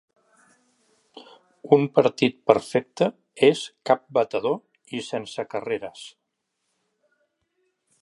Un partit perfecte és cap batedor i sense carreres.